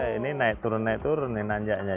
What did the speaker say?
ini naik turun naik turun ini nanjanya